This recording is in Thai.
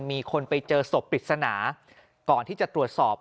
มีคนไปเจอศพปริศนาก่อนที่จะตรวจสอบ